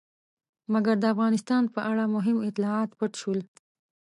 مګر د افغانستان په اړه مهم اطلاعات پټ شول.